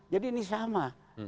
jadi ini sama